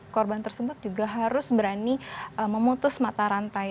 korban tersebut juga harus berani memutus mata rantai